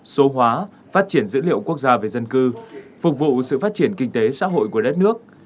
số hóa phát triển dữ liệu quốc gia về dân cư phục vụ sự phát triển kinh tế xã hội của đất nước